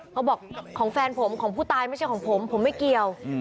เขาบอกของแฟนผมของผู้ตายไม่ใช่ของผมผมไม่เกี่ยว